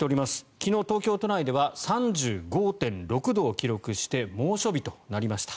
昨日、東京都内では３５．６度を記録して猛暑日となりました。